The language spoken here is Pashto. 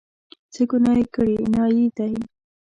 څه ګناه یې کړې، نایي دی.